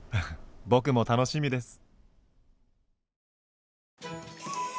僕も楽しみです。